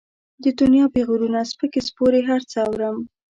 د دنيا پېغورونه، سپکې سپورې هر څه اورم.